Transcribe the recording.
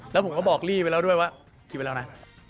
แล้วผมก็บอกลี่ไปแล้วด้วยว่าผิดไปแล้วนะ